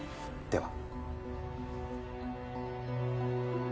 では。